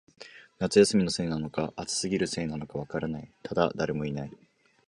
夏休みのせいなのか、暑すぎるせいなのか、わからない、ただ、誰もいない